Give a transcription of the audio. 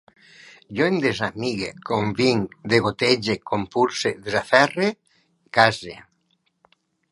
Jo em desamigue, convinc, degotege, compulse, desaferre, case